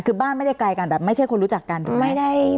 คือบ้านไม่ได้ไกลกันแบบไม่ใช่คนรู้จักกันถูกไหม